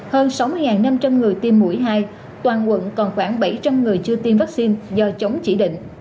hơn sáu mươi năm trăm linh người tiêm mũi hai toàn quận còn khoảng bảy trăm linh người chưa tiêm vaccine do chống chỉ định